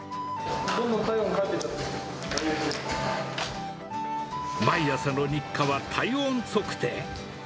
どんどん体温測って書いてっ毎朝の日課は体温測定。